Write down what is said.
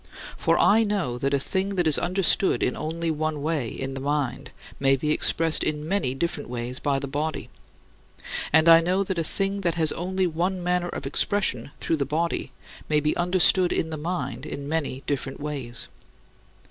For I know that a thing that is understood in only one way in the mind may be expressed in many different ways by the body; and I know that a thing that has only one manner of expression through the body may be understood in the mind in many different ways.